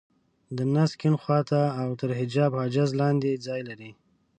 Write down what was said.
د نس کيڼ خوا ته او تر حجاب حاجز لاندې ځای لري.